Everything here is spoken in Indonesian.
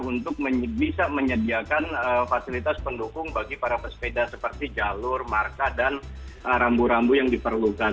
untuk bisa menyediakan fasilitas pendukung bagi para pesepeda seperti jalur marka dan rambu rambu yang diperlukan